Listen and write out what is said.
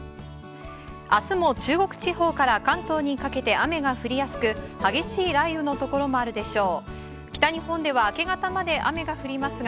明日も中国地方から関東にかけて雨が降りやすく激しい雷雨のところもあるでしょう。